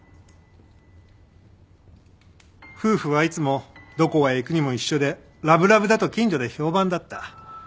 夫婦はいつもどこへ行くにも一緒でラブラブだと近所で評判だった。